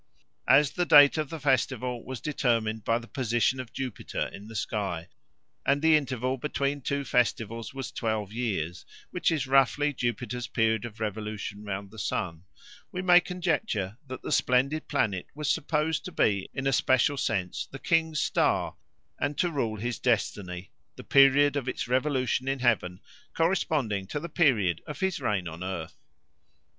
As the date of the festival was determined by the position of Jupiter in the sky, and the interval between two festivals was twelve years, which is roughly Jupiter's period of revolution round the sun, we may conjecture that the splendid planet was supposed to be in a special sense the king's star and to rule his destiny, the period of its revolution in heaven corresponding to the period of his reign on earth.